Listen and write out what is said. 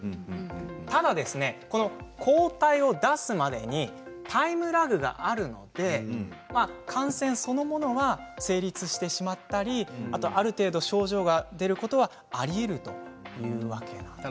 ただどうしても抗体を出すまでにタイムラグがありますので感染そのものは成立してしまっていたりある程度症状が出ることはありえるというわけなんです。